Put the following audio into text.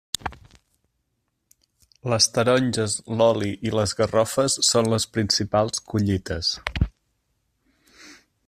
Les taronges, l'oli i les garrofes són les principals collites.